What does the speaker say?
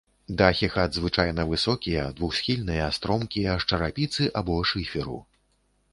Дахі хат звычайна высокія, двухсхільныя, стромкія, з чарапіцы або шыферу.